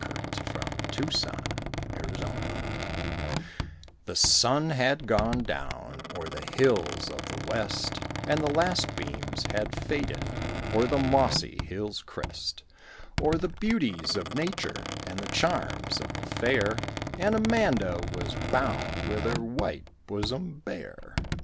HER WHITE BOSOM BARE The sun had gone down O'er the hills of the west, And the last beams had faded O'er the mossy hill's crest, O'er the beauties of nature And the charms of the fair, And Amanda was bound With her white bosom bare.